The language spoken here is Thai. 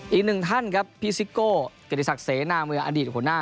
อีกหนึ่งท่านครับพี่ซิโก้เกียรติศักดิเสนาเมืองอดีตหัวหน้า